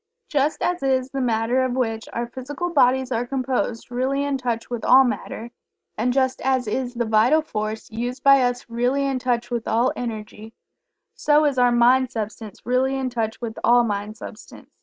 Just as is the Matter of which our physical bodies are composed really in touch with all Matter; and just as is the Vital Force used by us really in touch with all Energy; so is our Mind substance really in touch with all Mind substance.